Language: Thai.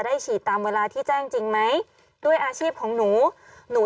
ฉีดตามเวลาที่แจ้งจริงไหมด้วยอาชีพของหนูหนู